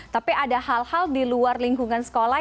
tapi ada hal hal di luar lingkungan sekolah